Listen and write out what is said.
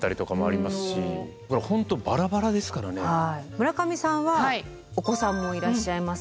村上さんはお子さんもいらっしゃいます。